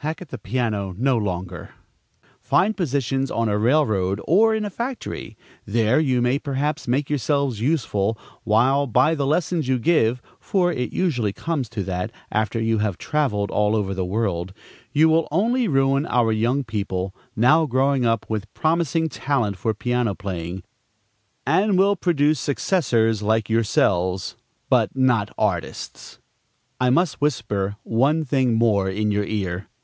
Hack at the piano no longer! Find positions on a railroad or in a factory. There you may perhaps make yourselves useful; while by the lessons you give (for it usually comes to that, after you have travelled all over the world) you will only ruin our young people, now growing up with promising talent for piano playing, and will produce successors like yourselves, but not artists. I must whisper one thing more in your ear.